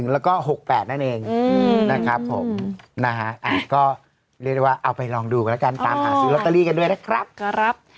แล้วก็๖๘นั่นเองนะครับผมนะฮะก็เรียกได้ว่าเอาไปลองดูกันแล้วกันตามหาซื้อลอตเตอรี่กันด้วยนะครับ